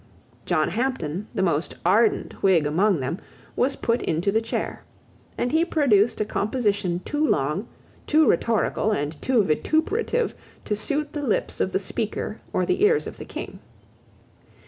John Hampden, the most ardent Whig among them, was put into the chair; and he produced a composition too long, too rhetorical, and too vituperative to suit the lips of the Speaker or the ears of the King.